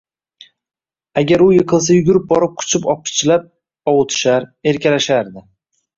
Agar u yiqilsa yugurib borib quchib-opichlab ovutishar, erkalashardi.